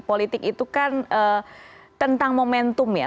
politik itu kan tentang momentum ya